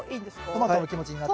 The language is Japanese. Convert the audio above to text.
トマトの気持ちになって。